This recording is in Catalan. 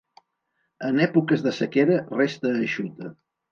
En èpoques de sequera resta eixuta.